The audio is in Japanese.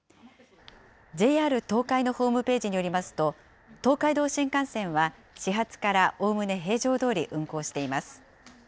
ＪＲ東海のホームページによりますと、東海道新幹線は始発からおおむね平常どおり運行しています。